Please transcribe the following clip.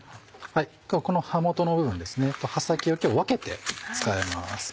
今日はこの葉元の部分と葉先を今日は分けて使います。